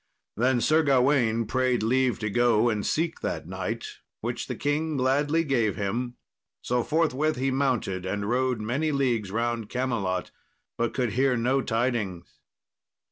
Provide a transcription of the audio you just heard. Then Sir Gawain prayed leave to go and seek that knight, which the king gladly gave him. So forthwith he mounted and rode many leagues round Camelot, but could hear no tidings.